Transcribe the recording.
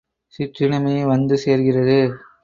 சிற்றினமே வந்து சேர்கிறது!